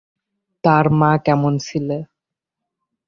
তার মা কেমন ছিল?